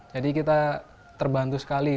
jadi kita terbantu sekali